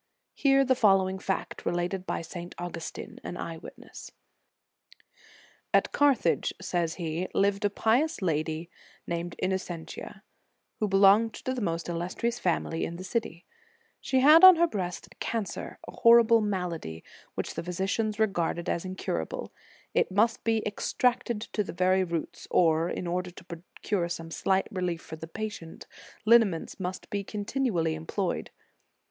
Hear the following fact, related by St. Augustin, an eye witness. "At Carthage," says he, "lived a pious lady * Life, lib. v. p. 349. f Ad. Coloss. ii. Homil. ix. In the Nineteenth Century. 171 named Innocentia, who belonged to the most illustrious family in the city. She had on her breast a cancer, a horrible malady, which the physicians regard as incurable. It must be extracted to the very roots, or, in order to procure some slight relief for the patient, liniments must be continually employed.